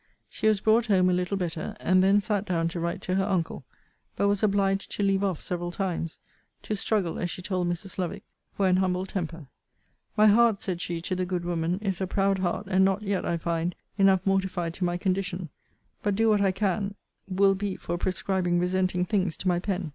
She was brought home a little better; and then sat down to write to her uncle. But was obliged to leave off several times to struggle, as she told Mrs. Lovick, for an humble temper. 'My heart, said she to the good woman, is a proud heart, and not yet, I find, enough mortified to my condition; but, do what I can, will be for prescribing resenting things to my pen.'